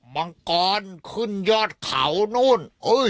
มังกรขึ้นยอดเขานู่น